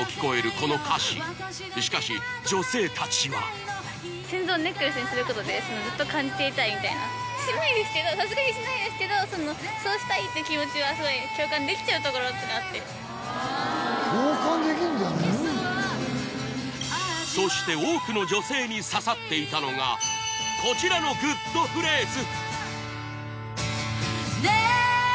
この歌詞しかしうんそして多くの女性に刺さっていたのがこちらのグッとフレーズ